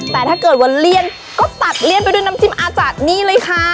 แต่ถ้าเกิดว่าเลี่ยนก็ตัดเลี่ยนไปด้วยน้ำจิ้มอาจารย์นี่เลยค่ะ